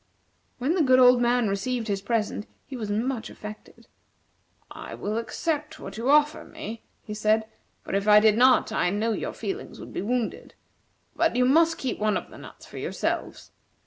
When the good old man received his present, he was much affected. "I will accept what you offer me," he said; "for if I did not, I know your feelings would be wounded. But you must keep one of the nuts for yourselves.